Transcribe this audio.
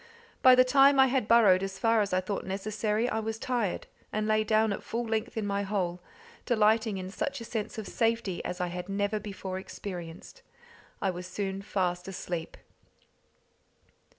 By the time I had burrowed as far as I thought necessary, I was tired, and lay down at full length in my hole, delighting in such a sense of safety as I had never before experienced. I was soon fast asleep.